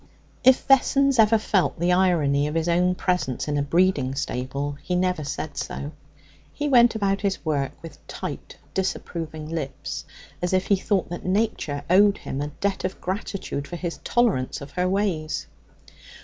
If Vessons ever felt the irony of his own presence in a breeding stable, he never said so. He went about his work with tight disapproving lips, as if he thought that Nature owed him a debt of gratitude for his tolerance of her ways.